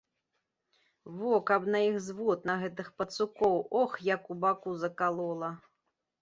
Во, каб на іх звод, на гэтых пацукоў, ох, як у баку закалола.